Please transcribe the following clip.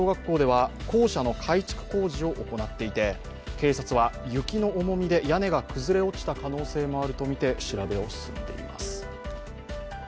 東山小学校では校舎の改築工事を行っていて屋根が崩れ落ちた可能性もあると見て調べを進めています。